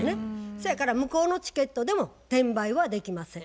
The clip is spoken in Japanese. そやから無効のチケットでも転売はできません。